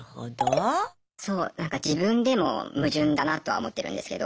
そうなんか自分でも矛盾だなとは思ってるんですけど。